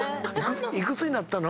幾つになったの？